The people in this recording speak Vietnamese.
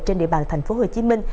trên địa bàn thành phố hồ chí minh